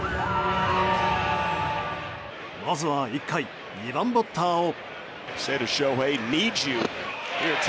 まずは１回、２番バッターを。